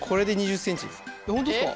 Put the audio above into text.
本当っすか？